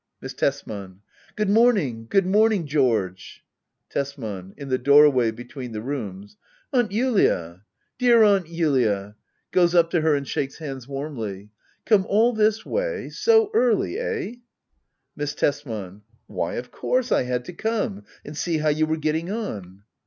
Miss Tesman. Good morning, good morning, George. Tesman, \In the doorway between the rooms,"] Aunt Julia ! Dear Aunt Julia ! [Goes up to her and shakes hands warmly^ Come all this way — so early ! Eh ? Miss Tesman, Why, of course I had to come and see how you were getting on.